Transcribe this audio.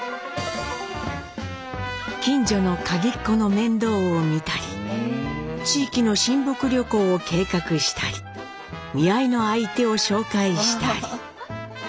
近所の鍵っ子の面倒を見たり地域の親睦旅行を計画したり見合いの相手を紹介したり。